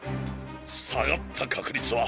下がった確率は。